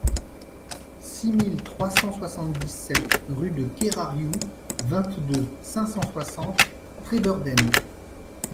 six mille trois cent soixante-dix-sept rue de Kerariou, vingt-deux, cinq cent soixante, Trébeurden